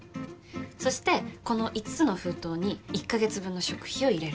そしてこの５つの封筒に１カ月分の食費を入れる。